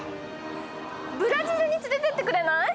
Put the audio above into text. ブラジルに連れてってくれない？